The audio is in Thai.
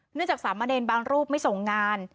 เนื่องจากสามอเดนบางรูปไม่ส่งงาน